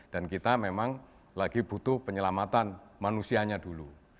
dan kita memang lagi butuh penyelamatan manusianya dulu